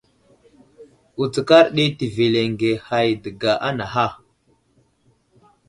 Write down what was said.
Wutskar ɗi təveleŋge hay dəga anaha.